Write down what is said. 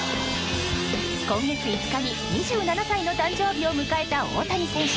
今月５日に２３歳の誕生日を迎えた、大谷翔平選手。